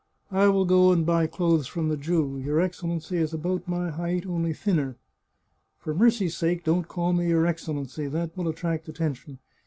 I will go and buy clothes from the Jew. Your Excellency is about my height, only thinner." " For mercy's sake, don't call me your Excellency ! That will attract attention."